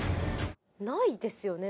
ないですよね